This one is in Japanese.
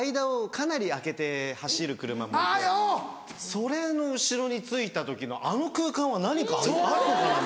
それの後ろについた時のあの空間は何かあるのかなみたいな。